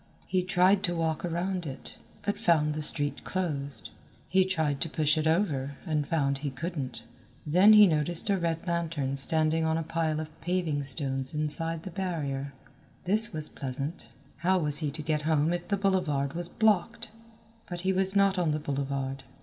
He tried to walk around it, but found the street closed. He tried to push it over, and found he couldn't. Then he noticed a red lantern standing on a pile of paving stones inside the barrier. This was pleasant. How was he to get home if the boulevard was blocked? But he was not on the boulevard.